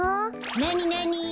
なになに？